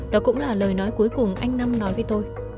đó cũng là lời nói cuối cùng anh năm nói với tôi